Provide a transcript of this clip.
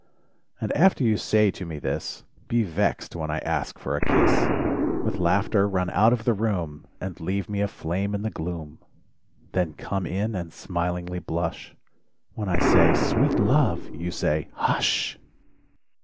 And after you say to me this, Be vexed when I ask for a kiss, With laughter run out of the room, And leave me aflame in the gloom ... Then come in and smilingly blush; When I say: "sweet love 1" you say: "hush!"